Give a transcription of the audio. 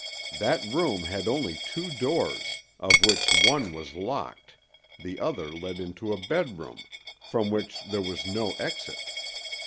That room had only two doors, of which one was locked; the other led into a bedroom, from which there was no exit.